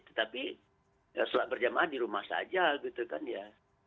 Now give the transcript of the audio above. tetapi sholat berjamaah di rumah saja gitu kan ya